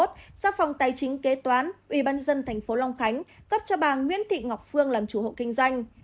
do phòng tài chính kế toán ubnd tp long khánh cấp cho bà nguyễn thị ngọc phương làm chủ hộ kinh doanh